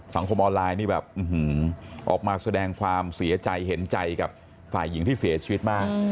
สังคมออนไลน์นี่แบบออกมาแสดงความเสียใจเห็นใจกับฝ่ายหญิงที่เสียชีวิตมาก